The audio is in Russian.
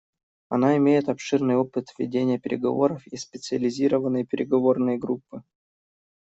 Она имеет обширный опыт ведения переговоров и специализированные переговорные группы.